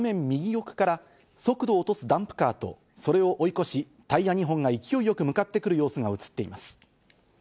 右奥から速度を落とすダンプカーとそれを追い越し、タイヤ２本が勢いよく向かってくる様子が映っています。